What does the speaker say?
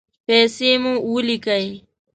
پیسې مو ولیکئ